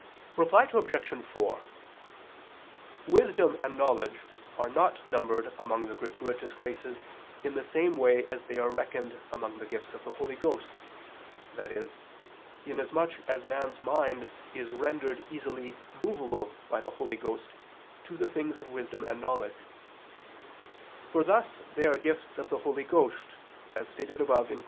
Reply Obj. 4: Wisdom and knowledge are not numbered among the gratuitous graces in the same way as they are reckoned among the gifts of the Holy Ghost, i.e. inasmuch as man's mind is rendered easily movable by the Holy Ghost to the things of wisdom and knowledge; for thus they are gifts of the Holy Ghost, as stated above (Q.